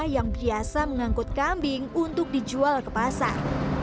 yang biasa mengangkut kambing untuk dijual ke pasar